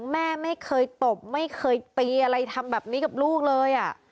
แม่ไม่เคยตบไม่เคยตีอะไรทำแบบนี้กับลูกเลย